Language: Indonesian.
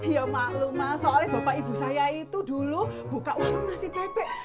ya maklum mas soalnya bapak ibu saya itu dulu buka warung nasi bebek